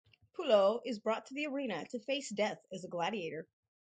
Pullo is brought to the arena to face death as a gladiator.